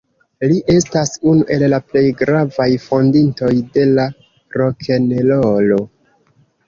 Li estas unu el la plej gravaj fondintoj de la rokenrolo.